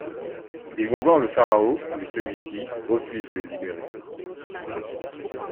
Ils vont voir le pharaon mais celui-ci refuse de les libérer.